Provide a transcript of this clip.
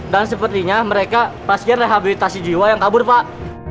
dan sepertinya mereka pasien rehabilitasi jiwa yang kabur pak